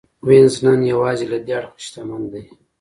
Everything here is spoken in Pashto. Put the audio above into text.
وینز نن یوازې له دې اړخه شتمن دی.